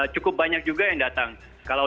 cukup banyak juga yang datang kalau